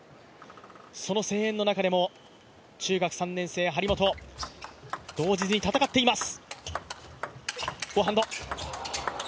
その声援の中でも中学３年生、張本動じずに戦っています。